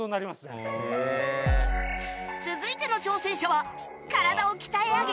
続いての挑戦者は体を鍛え上げ